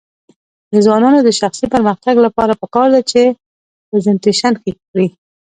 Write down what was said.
د ځوانانو د شخصي پرمختګ لپاره پکار ده چې پریزنټیشن ښه کړي.